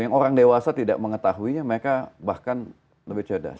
yang orang dewasa tidak mengetahuinya mereka bahkan lebih cerdas